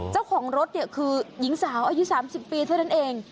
เจ้าของรถเนี่ยคือหญิงสาวอายุ๓๐ปีเท่านั้นเอง